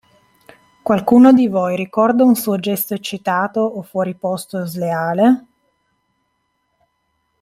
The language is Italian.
Qualcuno di voi ricorda un suo gesto eccitato o fuori posto o sleale?